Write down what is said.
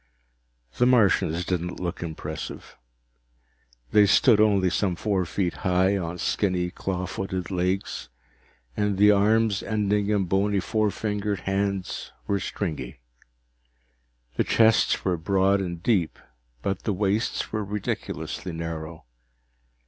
The Martians didn't look impressive. They stood only some four feet high on skinny, claw footed legs, and the arms, ending in bony four fingered hands, were stringy. The chests were broad and deep, but the waists were ridiculously narrow.